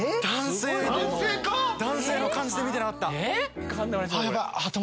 男性の感じで見てなかった。